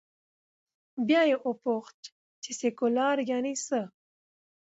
بیا یې وپوښت، چې سیکولر یعنې څه؟